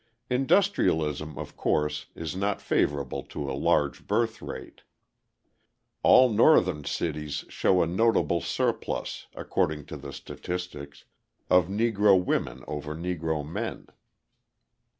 Industrialism, of course, is not favourable to a large birth rate. All Northern cities show a notable surplus, according to the statistics, of Negro women over Negro men.